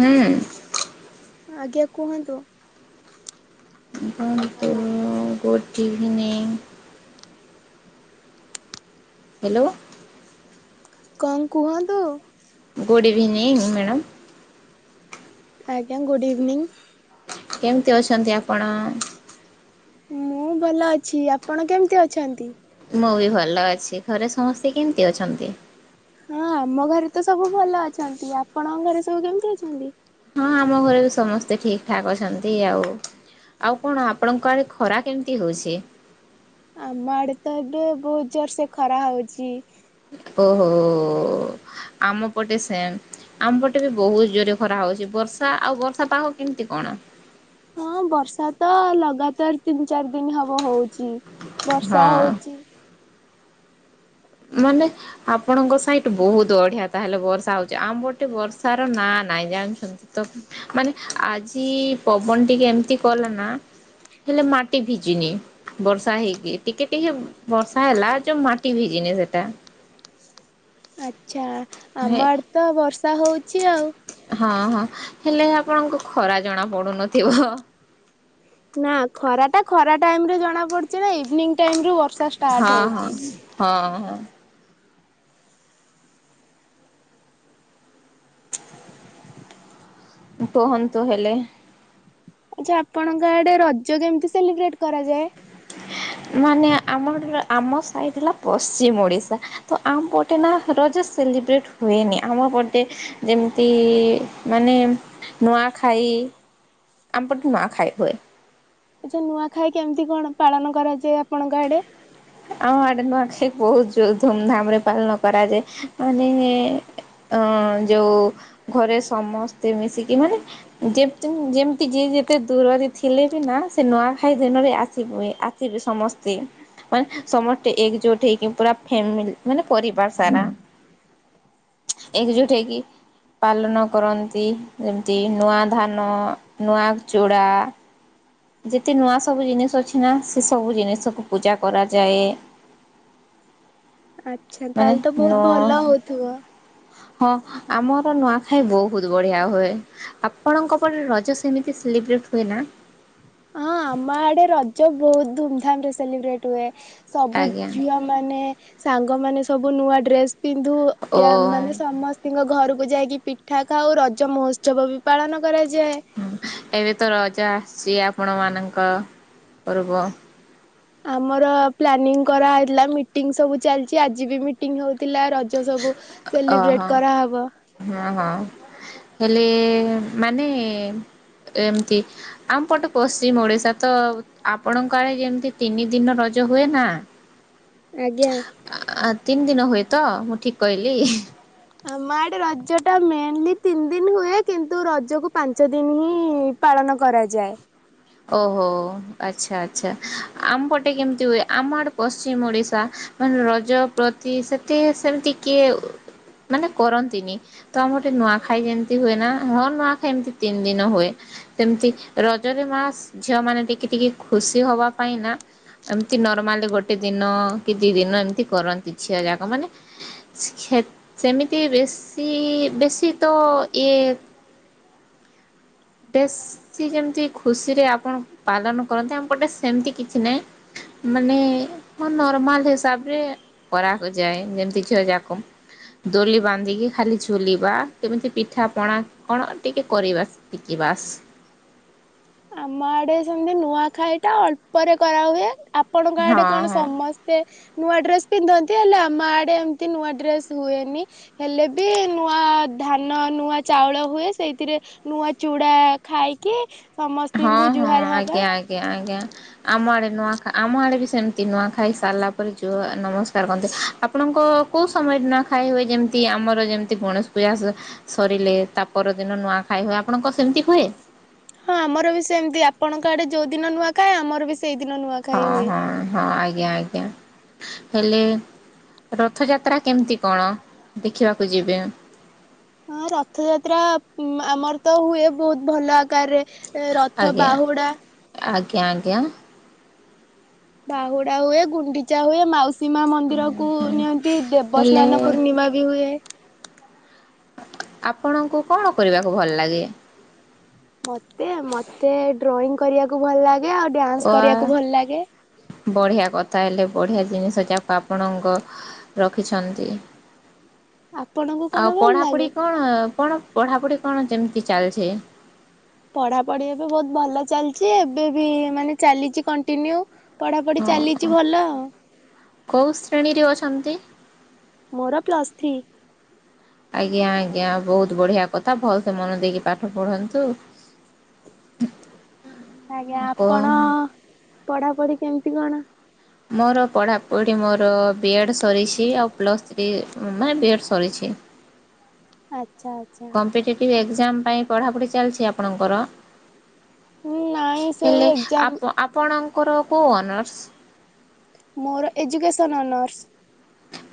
ହୁଁ। ଆଜ୍ଞା କୁହନ୍ତୁ। ଗୁନ୍ତୁ ଗୁଡ ଇଭିନିଂ। ହ୍ୟାଲୋ। କଣ କୁହନ୍ତୁ? Good evening madam. ଆଜ୍ଞା ଗୁଡ୍ ଇଭିନିଂ। କେମିତି ଅଛନ୍ତି ଆପଣ? ମୁଁ ଭଲ ଅଛି ଆପଣ କେମିତି ଅଛନ୍ତି? ମୁଁ ବି ଭଲ ଅଛି ଘରେ ସମସ୍ତେ କେମିତି ଅଛନ୍ତି? ହଁ ଆମ ଘରେ ତ ସବୁ ଭଲ ଅଛନ୍ତି। ଆପଣଙ୍କ ଘରେ ସବୁ କେମିତି ଅଛନ୍ତି। ହଁ ଆମ ଘରେ ବି ସମସ୍ତେ ଠିକ ଠାକ୍ ଅଛନ୍ତି ଆଉ ଆଉ କଣ ଆପଣଙ୍କ ଆଡ ଖରା କେମିତି ହଉଛି। ଆମ ଆଡେ ତ ଏବେ ବହୁତ ଜୋର ସେ ଖରା ହଉଛି। ଓହୋ ଆମ ପଟେ ସେମ୍ ଆମପଟେ ବି ବହୁତ ଜୋରେ ଖରା ହଉଛି। ବର୍ଷା ଆଉ ବର୍ଷା ପାହା କେମିତି କଣ? ହଁ ବର୍ଷା ତ ଲଗାତାର ତିନି ଚାରି ଦିନ ହବ ହଉଛି। ବର୍ଷା ହଁ ହଉଚି। ମାନେ ଆପଣଙ୍କ ସାହିଠୁ ବହୁତ ବଢିଆ ତାହେଲେ ବର୍ଷା ହଉଛି ଆମ୍ୱ ପଟେ ବର୍ଷାର ନା ନାଇଁ ଜାଣିଛନ୍ତି ତ ମାନେ ଆଜି ପବନ ଟିକେ ଏମିତି କଲା ନା ହେଲେ ମାଟି ଭିଜୁନି ବର୍ଷା ହେଇକି ଟିକେ ଟିକେ ବର୍ଷା ହେଲା ଯୋଉ ମାଟି ଭି ଜିନିଷ ଟା। ଆଛା। ଆମ ଆଡ଼େ ତ ବର୍ଷ ତା ହେଉଛି ଆଉ। ହଁ ହଁ ହେଲେ ଆପଣଙ୍କୁ ଖରା ଜଣା ପଡୁନଥିବ। ନା ଖରା ଟା ଖରା ଟାଇମ ରେ ଜଣା ପଡଛି ନା ଇଭିନିଂାଟାଇମ ରୁ ବ ହଁ ହଁ ହଁ। ହଁ କୁହନ୍ତୁ ହେଲେ। ଆଚ୍ଛା ଆପଣଙ୍କ ଆଡେ ରଜ କେମିତି ସେଲିବ୍ରେଟ କରାଯାଏ? ମାନେ ଆମ ଆମ ସାଇଡ ହେଲା ପଶ୍ଚିମ ଓଡିଶା ତ ଆମପଟେ ନା ରଜ ସେଲିବ୍ରେଟ ହୁଏନି। ଆମ ପଟେ ଯେମିତି ମାନେ ନୂଆ ଖାଇ ଆମ ପଟେ ନୁଆ ଖାଇ ହୁଏ। ଆଛା ନୂଆଖାଇ କେମିତି କଣ ପାଳନ କରାଯାଏ ଆପଣଙ୍କ ଏଡେ? ଆମ ଆଡେ ନୂଆଖାଇ ବହୁତ ଧୁମଧାମ ରେ ପାଳନ କରାଯାଏ। ମାନେ ଅ ଯୋଉ ଘରେ ସମସ୍ତେ ମିଶିକି ମାନେ ଯେ ଯେମିତି ଯିଏ ଯେତେ ଦୂରରେ ଥିଲେ ବି ନା ସେ ନୂଆଖାଇ ଦିନରେ ଆସିବ ଆସିବି ସମସ୍ତେ। ମାନେ ସମସ୍ତେ ଏକଜୁଟ ହେଇକି ପୁରା ଫାମିଲି ମାନେ ପରିବାର ସାରା ଏକଜୁଟ ହେଇକି ପାଲନ କରନ୍ତି। ଯେମିତି ନୂଆ ଧାନ ନୂଆ ଚୁଡ଼ା ଯେତେ ନୂଆ ସବୁ ଜିନିଷ ଅଛି ନା ସେ ସବୁ ଜିନିଷକୁ ପୂଜା କରାଯାଏ। ଆଛା ମାନେ ତାହେଲେ ତ ନ ବହୁତ ଭଲ ହଉଥିବ। ହଁ ଆମର ନୂଆଖାଇ ବହୁତ ବଢିଆ ହୁଏ ଆପଣଙ୍କ ପରେ ରଜ ସେମିତି ସେଲିବ୍ରେଟ ହୁଏ ନା ହଁ ଆମ ଆଡେ ରଜ ବହୁତ ଧୁମଧାମ ରେ ସେଲିବ୍ରେଟ ହୁଏ। ସବୁ ଆଜ୍ଞା ଝିଅ ମାନେ ସାଙ୍ଗମାନେ ସବୁ ନୂଆ ଡ୍ରେସ୍ ପିନ୍ଧୁ ଓ ୟ ମାନେ ସମସ୍ତଙ୍କ ଘରକୁ ଯାଇକି ପିଠା ଖାଉ ରଜ ମହୋତ୍ସବ ବି ପାଳନ କରାଯା ହୁଁ ଏବେ ତ ରଜା ସିଏ ଆପଣମାନଙ୍କ ପର୍ବ ଆମର ପ୍ଲାନିଂ କରାହଥିଲା ମିଟିଂ ସବୁ ଚାଲିଛି ଆଜି ବି ମିଟିଂ ହଉଥିଲା ରଜ ସବୁ ସେଲିବ୍ରେଟ ଓହୋ କରାହବ ହଁ ହଁ। ହେଲେ ମାନେ ଏମତି ଆମ ପଟେ ପଶ୍ଚିମ ଓଡିଶା ତ ଆପଣଙ୍କ ଆଡେ ଯେମିତି ତିନି ଦିନ ରଜ ହୁଏ ନା। ଆଜ୍ଞା। ତିନି ଦିନ ହୁଏ ତ ମୁଁ ଠିକ କହିଲି ଆମ ଆଡେ ରଜ ଟା ମେନ୍ଲି ତିନି ଦିନ ହୁଏ କିନ୍ତୁ ରଜକୁ ପାଞ୍ଚ ଦିନ ହିଁ ପାଳନ କରାଯାଏ। ଓହୋ ଆଛା ଆଛା ଆମପଟେ କେମିତି ହୁଏ ଆମ ଆଡେ ପଶ୍ଚିମ ଓଡିଶା ମାନେ ରଜ ପ୍ରତି ସେତେ ସେମିତି କିଏ ମାନେ କରନ୍ତିନି ତ ଆମ ଗଟେ ନୂଆଖାଇ ଯେମିତି ହୁଏ ନା ହଁ ନୂଆଖାଇ ଏମିତି ତିନି ଦିନ ହୁଏ। ସେମତି ରଜରେ ମା ଝିଅ ମାନ ଟିକେ ଟିକେ ଖୁସି ହବା ପାଇଁ ନା ଏମିତି ନର୍ମାଲି ଗୋଟେ ଦିନ କି ଦି ଦିନ ଏମିତି କରନ୍ତି ଝିଅ ଯାକ ମାନେ ସେ ଖେ ସେମିତି ବେଶୀ ବେଶୀ ତ ଇଏ ବେଶୀ ଯେମିତି ଖୁସ ରେ ଆପଣ ପାଳନ କରନ୍ତି ଆମ ଗୋଟେ ସେମିତି କିଛି ନାହିଁ ମାନେ ନର୍ମାଲ ହିସାବରେ କରାକୁ ଯାଏ ଯେମତି ଝିଅ ଯାକ ଦୋଲି ବାନ୍ଧିକି ଖାଲି ଝୁଲିବା କେମିତି ପିଠା ପଣା କଣ ଟିକେ କରିବା ସେତିକି ବାସ ଆମ ଆଡେ ସେମତି ନୂଆଖାଇ ଟା ଅଳ୍ପରେ କରାହୁଏ। ଆପଣଙ୍କ ଆଡେ ହଁ କଣ ହଁ ସମସ୍ତେ ନୂଆ ଡ୍ରେସ୍ ପିନ୍ଧନ୍ତି ହେଲେ ଆମ ଆଡ଼େ ଏମିତି ନୂଆ ଡ୍ରେସ୍ ହୁଏନି ହେଲେ ବି ନୂଆ ଧାନ ନୂଆ ଚାଉଳ ହୁଏ ସେଇଥିରେ ନୂଆ ଚୁଡ଼ା ଖାଇକି ହଁ ସମସ୍ତଙ୍କୁ ହଁ ଜୁହାର ହବା। ଆଜ୍ଞା ଆଜ୍ଞା ଆଜ୍ଞା। ଆମ ଆଡେ ନୂଆ ଆମ ଆଡେ ବି ସେମିତି ନୂଆ ଖାଇ ସାରିଲା ପରେ ଝୁଅ ନମସ୍କାର କରନ୍ତି ଆପଣଙ୍କ କୋଉ ସମୟରେ ନୂଆ ଖାଇ ହୁଏ ଯେମିତି ଆମର ଯେମିତି ଗଣେଶ ପୂଜା ସରିଲେ ତା ପରଦିନ ନୂଆ ଖାଇ ହୁଏ ଆପଣଙ୍କ ସେମିତି ହୁଏ। ହଁ ଆମର ବି ସେମିତି ଆପଣଙ୍କ ଆଡେ ଯୋଉ ଦିନ ନୂଆ ଖାଏ ଆମର ବି ସେଇଦିନ ନୂଆ ହଁ ଖାଇ ହୁଏ। ହଁ ହଁ ଆଜ୍ଞା। ଆଜ୍ଞା ଆଜ୍ଞା ହେଲେ ରଥଯାତ୍ରା କେମିତି କଣ ଦେଖିବାକୁ ଯିବେ ହଁ ରଥଯାତ୍ରା ଆମର ତ ହୁଏ ବହୁତ ଭଲ ଆକାରରେ ଏ ରଥ ଆଜ୍ଞା ବାହୁଡା ଆଜ୍ଞା ଆଜ୍ଞା। ବାହୁଡା ହୁଏ ଗୁଣ୍ଡିଚା ହୁଏ ମାଉସୀ ସୀମା ମନ୍ଦିର କ ନିଅନ୍ତି ଦେବସ୍ନାନ ହେଲେ ପୂର୍ଣ୍ଣିମା ବି ହୁଏ। ଆପଣଙ୍କୁ କଣ କରିବାକୁ ଭଲ ଲାଗେ। ମତେ ମତେ ଡ୍ରଇଂ କରିବାକୁ ଭଲ ଲାଗ ଓ ବଢିଆ କଥା ହେଲେ ବଢ଼ିଆ ଜିନିଷ ଯାକୁ ଆପଣଙ୍କ ରଖିଛନ୍ତି। ଆପଣଙ୍କୁ କଣ ଆଉ ଭଲ ଲାଗେ? ପଢାପଢି କଣ? କଣ ପଢାପଢି କଣ ଯେମିତି ଚାଲିଛ? ପଢାପଢି ଏବେ ବହୁତ ଭଲ ଚାଲିଛି ଏବେ ବି ମାନେ ଚାଲିଛି କଣ୍ଟିନ୍ୟୁ, ପଢାପଢି ଚାଲିଛି ହ ଭଲ କୋଉ ଶ୍ରେଣୀରେ ଅଛନ୍ତି। ମୋର ପ୍ଲସ୍ ଥ୍ରି, ଆଜ୍ଞା ଆଜ୍ଞା ବହୁତ ବଢିଆ କଥା ଭଲ ସେ ମନ ଦେଇକି ପାଠ ପଢନ୍ତୁ। ଆଜ୍ଞା ଆପଣ? ପଢା ପଢି କେମତି କଣ, ମୋର ପଢ଼ାପଢ଼ି ମୋର ବି ଏଡ଼୍ ସରିଛି ଆଉ ପ୍ଲସ୍ ଥ୍ରୀ ମାନେ ବି ଏଡ଼୍ ସରିଛି। ଆ କମ୍ପିଟେଟିଭ ଏଗଜ ଏଜାମ ପାଇଁ ପଢାପଢି ଚାଲିଛି ଆପଣଙ୍କର? ନାଇଁ ସେଇ ହେଲେ ଏକ୍ଜାମ ଆପ ଆପଣ ତାର କ ଅନନର୍ସ, ମୋର ଏଜୁକସନ୍ ଅନର୍ସ,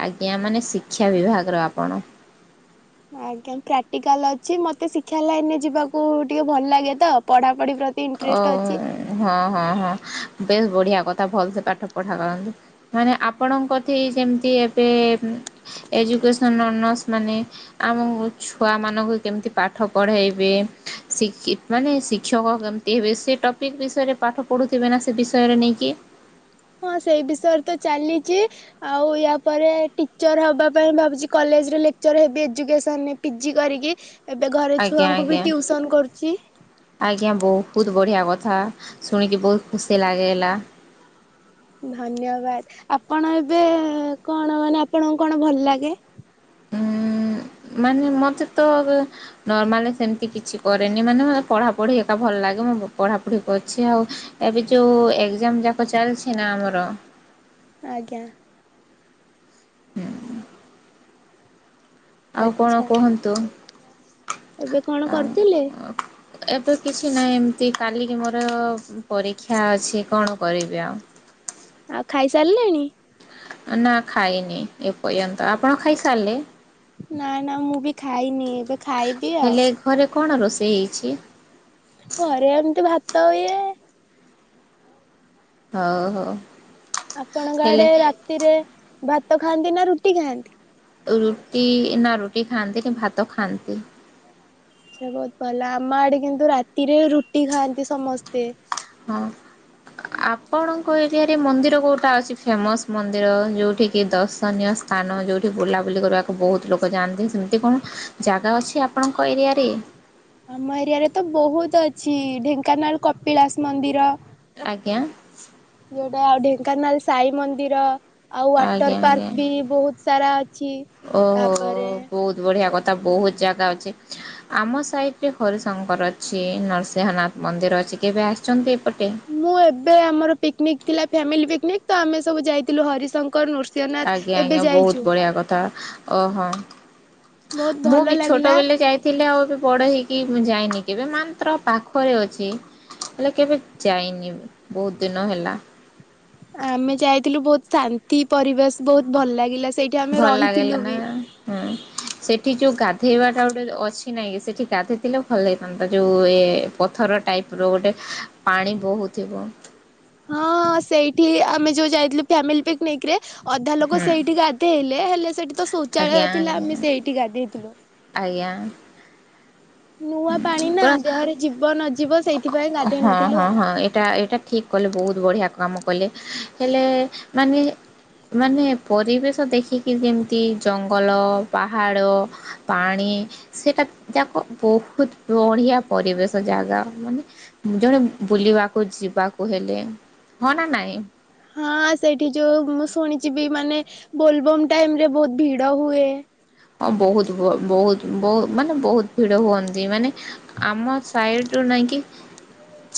ଆଜ୍ଞା ମାନେ ଶିକ୍ଷା ବିଭାଗର ଆପଣ, ଆଜ୍ଞା ପ୍ରାକ୍ଟିକାଲ ଅଛି ମତେ ଶିକ୍ଷା ଲାଇନରେ ଯିବାକୁ ଟିକେ ଭଲ ଲାଗେ ତ ପଢା ଓ ହଁ ହଁ ହଁ, ବେଶ ବଢ଼ିଆ କଥା ଭଲ ସେେ ପାଠ ପଢ଼ା କରନ୍ତୁ ମାନେ ଆପଣଙ୍କଠ ଯେମିତି ଏବେ ଏଜୁକେସନ୍ ନସ ମାନେ ଆମ ଛୁଆମାନନଙ୍କୁ କେମିତି ପାଠ ପଢ଼ାଇବେ ମାନେ ଶିକ୍ଷକ କେମତି ତବେ ସେ ଟପିକ ବିଷୟରେ ପାଠ ପଢୁଥିବେ ନା ସେ ବିଷୟରେ ନେଇକି, ହଁ ସେଇ ବିଷୟରେ ତ ଚାଲିଛି ଆଉ ୟା ପରେ ଟିଚର ହବା ପାଇଁ ଭାବୁଛି କଲେଜରେ ଲେକ୍ଚର ହେବି ଏଜୁକସନ ପିଜି କରିକି। ଏବେ ଘରେ ଆଜ୍ଞା ଛୁଆଙ୍କୁ ବି ଆଜ୍ଞା ଟିଉସନ କରୁଛି। ଆଜ୍ଞା ବହୁତ ବଢିଆ କଥା। ହାଁ ଶୁଣିକି ବହୁତ ଖୁସି ଲାଗିଲା। ଧନ୍ୟବାଦ ଆପଣ ଏବେ କଣ ମାନେ ଆପଣଙ୍କୁ କଣ ଭଲ ଲାଗେ। ଉଁ ମାନେ ମତେ, ତ ନର୍ମାଲ ସେମିତି କିଛି କରେନି ମାନେ ମତେ ପଢାପଢି ଏକା ଭଲ ଲାଗେ ମୁଁ ପଢାପଢି କରିଛି ଆଉ ଏବେ ଯୋଉ ଏକ୍ଜାମ ଯାକ ଚାଲିଛି ନା ଆମର, ଆଜ୍ଞା ହୁଁ [inaudible] ଆଉ କଣ ଆଚ୍ଛା କୁହନ୍ତୁ? ଏବେ କଣ ଆ କରୁଥିଲେ ଏବେ କିଛି ନାହିଁ ଏମିତି, କାଲିକି ମୋର ପରୀକ୍ଷା ଅଛି କଣ କରିବି ଆଉ। ଆଉ ଖାଇସାରିଲେଣି? ନା ଖାଇନି ଏ ପର୍ଯ୍ୟନ୍ତ ଆପଣ ଖାଇସାରିଲେ, ନା ନା ମୁଁ ବି ଖାଇନି ଏବେ। ଖାଇବି ଆଉ। ହେଲେ ଘରେ କଣ ରୋଷେଇ ହେଇଛି। ଘରେ ଏମିତି ଭାତ ଇଏ। ହଉ ହଉ ଆପଣଙ୍କ ଆଡେ ହେଲେ ରାତିରେ ଭାତ ଖାଆନ୍ତି ନା ରୁଟି ଖାଆନ୍ତି? ରୁଟି ନା ରୁଟି ଖାଆନ୍ତି ନା ଭାତ ଖାନ୍ତି? ସେ ବହୁତ ଭଲ ଆମ ଆଡେ କିନ୍ତୁ ରାତିରେ ରୁଟି ଖାଆନ୍ତି ସମସ୍ତେ ହଁ ଆପଣଙ୍କ ଏରିଆରେ ମନ୍ଦିର କୋଉଟା ଅଛି ଫେମସ୍ ମନ୍ଦିର ଯୋଉଠ କିି ଦର୍ଶନୀୟ ସ୍ଥାନ ଯଉଠି ବୁଲାବୁଲି କରିବାକୁ ବହୁତ ଲୋକ ଯାଆନ୍ତି ସେମିତି କଣ ଜାଗା ଅଛି ଆପଣଙ୍କ ଏରିଆରେ? ଆମ ଏରିଆରେ ତ ବହୁତ ଅଛି ଢେଙ୍କାନାଳ କପିଳାସ ମନ୍ଦିର ଆଜ୍ଞା।। ଯିବା ଆଉ ଢେଙ୍କାନାଲ ସାଇ ମନ୍ଦିର ଆଉ ଆଜ୍ଞା ୱାଟର ଆଜ୍ଞା ପାର୍କ ବି ବହୁତ ସାରା ଅଛି ତାପରେ ଓହୋ ବହୁତ ବଢିଆ କଥା ବହୁତ ଜାଗ- ଆମ ସାଇଟରେ ହରିଶଙ୍କର ଅଛି ନରସିଂହନାଥ ମନ୍ଦିର ଅଛି। କେବେ ଆସିଛନ୍ତି? ଏପଟେ? ମୁଁ ଏବେ ଆମର ପିକନିକ ଥିଲା ଫାମିଲି ପିକ୍ ଅନକ ତ ଆମେ ସବୁ ଯାଇଥିଲୁ ହରିଶଂଙ ଆଜ୍ଞା ଆଜ୍ଞା ବହୁତ ବଢିଆ କଥା। ଓହୋ ବହୁତ ମୁଁ ଭଲ ବି ଛୋଟ ଲାଗିଲା। ବଳେ ଯାଇଥିଲି ଆଉ ବି ବଡ ହେଇକି ମୁଁ ଯାଇନି। କେବେ ମାତ୍ର ପାଖରେ ଅଛି ହେଲେ କେବେ ଯାଇନି ବହୁତ ଦିନ ହେଲା।। ଆମେ ଯାଇଥିଲୁ ବହୁତ ଶାନ୍ତି ପରିବେଶ ବହୁତ ଭଲ ଲାଗିଲା। ସେଇଠି ଆମେ ଭଲ ରହିଥିଲୁ ଲାଗିଲା ନା ବି। ହଁ ସେଠି ଯୋଉ ଗାଯୋଉ ଗେଇବା ଟା ଗୋଟେ ଅଛି ନାଇଁ ସେଠି ଗାଧୋଇଥିଲେ ଭଲ ଲାଗିଥାନ୍ତା ଯୋଉ ଏ ପଥର ଟାଇପ ର ଗୋଟେ ପାଣି ବହୁଥିବ। ହଁଁ ସେଇଠି ଆମେ ଯୋଉ ଯାଇଥିଲୁ ଫ୍ୟାମିଲି ପିକନିକ ରେ ଅଧା ଲୋକ ହୁଁ। ସେଇଠିକି ଗଧେଇଲେ ହେଲେ ସେଠି ତ ଶୋ ଚାଳ ଆଜ୍ଞା ଥିଲା ଆମେ ସେଇଠି ଗାଧେଇଥିଲୁ। ଜ୍ଞା। ନୂଆ ପାଣି ନା ଦେହରେ ଯିବ ନ ଯିବ ସେଇଥିପାଇଁ ଗାଧେଇ ହଁ ନଥିଲୁ ହଁ ଆଉ। ହଁ ଏଇଟା ଏଇଟା ଠିକ କଲେ ବହୁତ ବଢିଆ। ଯକ କାମ କଲେ। ହେଲେ ମାନେ ମାନେ ପରିବେଶ ଦେଖିକି ଯେମିତି ଜଙ୍ଗଲ ପାହାଡ଼ ପାଣି ସେଇଟା ଯାକ ବହୁତ ବଢ଼ିଆ ପରିବେଶ ଜାଗା। ମାନେ ଜଣେ ବୁଲିବାକୁ ଯିବାକୁ ହେଲେ ହଁ ନା ନାଇଁ? ହଁ ସେଠି ଯୋଉ ମୁଁ ଶୁଣିଛି ବି ମାନେ ବୋଲବମ ଟାଇମ ରେ ବହୁତ ଭିଡ ହୁଏ। ହଁ ବହୁତ ବହୁତ ବହୁତ ମାନେ ବହୁତ ଭିଡ ହୁଅନ୍ତି। ମାନେ ଆମ ସାଇଡ ରୁ ନାଇଁକ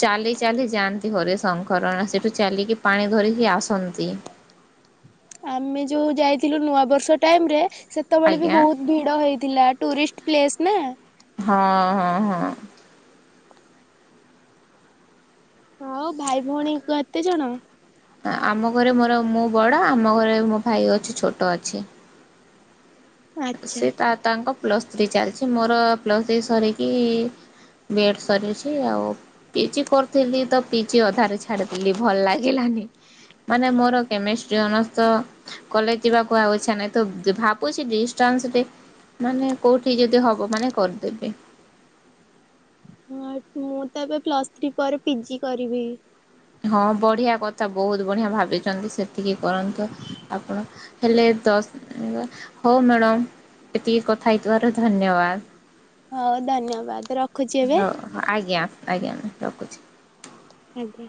ଚାଲି ଚାଲି ଯାଆନ୍ତି। ହରେ ଶଙ୍କର ସେଠୁ ଚାଲିକି ପାଣି ଧରିକି ଆସନ୍ତି। ଆମେ ଯୋଉ ଯାଇଥିଲୁ ନୂଆ ବର୍ଷ ଟାଇମ ରେ ସେତେବେଳେ ବି ଆଜ୍ଞା ବହୁତ ଭିଡ ହେଇଥିଲା ଟୁରିଷ୍ଟ ପ୍ଲେସ ନା। ହଁ ହଁ ହଁ ହଁଉ ଭାଇ ଭଉଣୀ ଏତେ ଜଣ? ଆମ ଘରେ ମୋର ମୁଁ ବଡ ଆମ ଘରେ ମୋ ଭାଇ ଅଛି ଛୋଟ ଅଛି। ଆଚ୍ଛା ସେ ତା ତାଙ୍କ ପ୍ଲସ୍ ଥ୍ରୀ ଚାଲିଛି। ମୋର ପ୍ଲସ୍ ଥ୍ରୀ ସରିକି ବିଏଡ଼୍ ସରିଛି ଆଉ ପିଚ କରିଥିଲି ତ ପିଚ ଅଧାରେ ଛାଡ଼ିଥିଲି ଭଲ ଲାଗିଲାନି। ମାନେ ମୋର କେମିଷ୍ଟ୍ରି ଅନର୍ସ ତ କଲେଜ ଯିବାକୁ ଆଉ ଇଚ୍ଛା ନାହିଁ। ତ ଭାବୁଛି ଦି ଟାନସ ରେ ମାନେ କୋଉଠି ଯଦି ହବ ମାନେ କରିଦେବି। ହଁ ମୁଁ ତ ଏବେ ପ୍ଲସ୍ ଥ୍ରୀ ପରେ ପିଜି କରିବି। ହଁ ବଢ଼ିଆ କଥା ବହୁତ ବଢ଼ିଆ ଭାବିଛନ୍ତି। ସେତିକି କରନ୍ତୁ। ଆପଣ ହେଲେ ଦଶ ହଉ ମ୍ୟାଡ଼ମ୍ ଏତିକି କଥା ହେଇଥିବାରୁ ଧନ୍ୟବାଦ। ହଉ ଧନ୍ୟବାଦ ରଖୁଛି ଏବେ। ହଉ ଆଜ୍ଞା ଆଜ୍ଞା ମୁଁ ରଖୁଛି। ଆଜ୍ଞା।